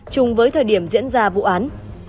chùng với thời điểm diễn ra vụ án